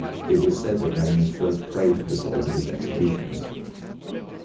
It was said that Magnus first prayed for the souls of his executioners.